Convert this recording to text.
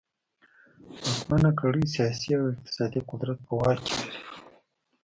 واکمنه کړۍ سیاسي او اقتصادي قدرت په واک کې لري.